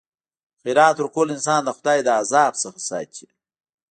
خیرات ورکول انسان د خدای د عذاب څخه ساتي.